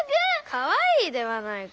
かわいいではないか。